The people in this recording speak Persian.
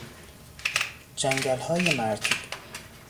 جنگلهای مرطوب